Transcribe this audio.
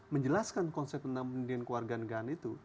menjelaskan konsep pendidikan kewargaan itu